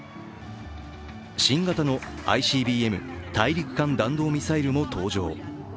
新型のＩＣＢＭ＝大陸間弾道ミサイルも登場。